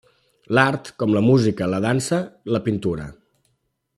L'art, com la música, la dansa, la pintura.